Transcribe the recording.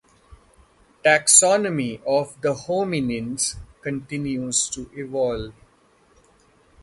Taxonomy of the hominins continues to evolve.